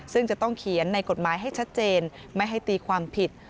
ซึ่งจะต้องเขียนในกฎหมายให้ชัดเจนไม่ให้ตีความผิด